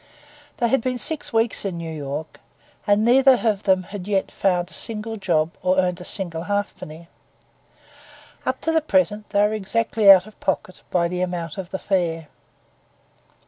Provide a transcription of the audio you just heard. They had been six weeks in New York, and neither of them had yet found a single job or earned a single halfpenny. Up to the present they were exactly out of pocket by the amount of the fare.